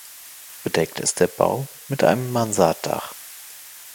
Bedeckt ist der Bau mit einem Mansarddach.